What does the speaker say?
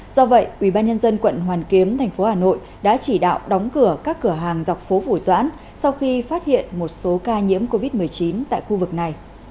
do vậy ubnd quận hoàn kiếm thành phố hà nội đã chỉ đạo đóng cửa các cửa hàng dọc phố vũ doãn sau khi phát hiện một số ca nhiễm covid một mươi chín tại khu vực này